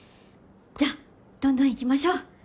じゃどんどんいきましょう。